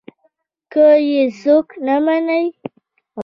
که يې څوک نه مني.